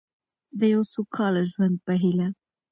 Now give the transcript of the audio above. د یو سوکاله ژوند په هیله.